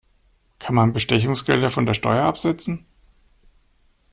Kann man Bestechungsgelder von der Steuer absetzen?